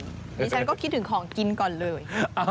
ดิฉันก็คิดถึงของกินก่อนเลย